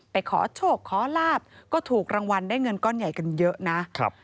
ขอโชคขอลาบก็ถูกรางวัลได้เงินก้อนใหญ่กันเยอะนะครับ